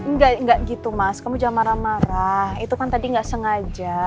enggak enggak gitu mas kamu jangan marah marah itu kan tadi nggak sengaja